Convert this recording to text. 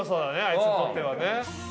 あいつにとってはね。